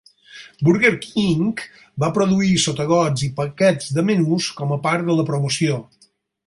Burger King va produir sotagots i paquets de menús com a part de la promoció.